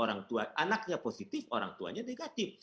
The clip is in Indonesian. anaknya positif orang tuanya negatif